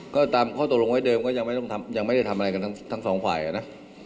ก็ตามข้อตกลงไว้เดิมก็ยังไม่ได้ทำอะไรกันทั้งสองฝ่ายนะ